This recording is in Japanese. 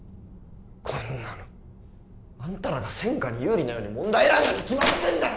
こんなのあんたらが専科に有利なように問題選んだに決まってんだろ！